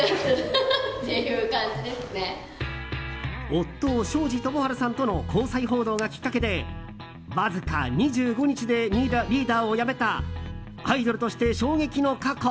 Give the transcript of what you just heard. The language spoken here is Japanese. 夫・庄司智春さんとの交際報道がきっかけでわずか２５日でリーダーを辞めたアイドルとして衝撃の過去！